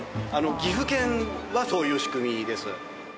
岐阜県はそういう仕組みです。